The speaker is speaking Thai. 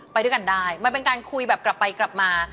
ไปด้วยกันได้มันเป็นการคุยแบบกลับไปกลับมา